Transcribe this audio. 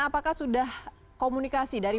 apakah sudah komunikasi dari